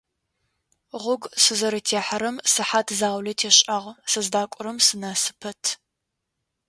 Гъогу сызэрытехьагъэм сыхьат заулэ тешӀагъ, сыздакӀорэм сынэсы пэт.